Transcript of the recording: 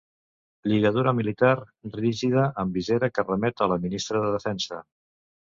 Lligadura militar rígida amb visera que remet a la ministra de Defensa.